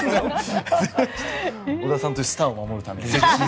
織田さんというスターを守るために。